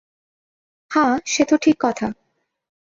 হাঁ, সে তো ঠিক কথা।